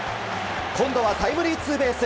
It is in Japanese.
今度はタイムリーツーベース。